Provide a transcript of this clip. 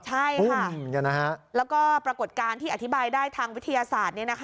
ใช่ค่ะแล้วก็ปรากฏการณ์ที่อธิบายได้ทางวิทยาศาสตร์